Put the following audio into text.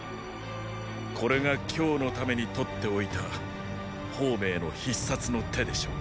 これが今日のためにとっておいた鳳明の必殺の手でしょう。